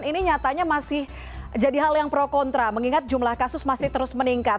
ini nyatanya masih jadi hal yang pro kontra mengingat jumlah kasus masih terus meningkat